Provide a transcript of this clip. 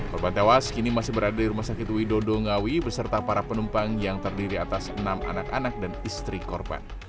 korban tewas kini masih berada di rumah sakit widodo ngawi beserta para penumpang yang terdiri atas enam anak anak dan istri korban